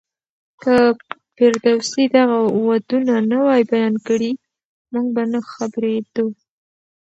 که فردوسي دغه ودونه نه وای بيان کړي، موږ به نه خبرېدو.